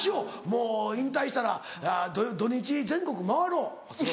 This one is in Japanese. もう引退したら土・日全国回ろう。